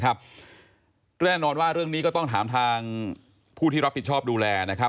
แน่นอนว่าเรื่องนี้ก็ต้องถามทางผู้ที่รับผิดชอบดูแลนะครับ